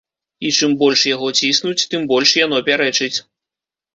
І чым больш яго ціснуць, тым больш яно пярэчыць.